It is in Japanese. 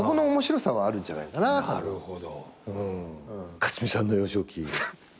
克実さんの幼少期。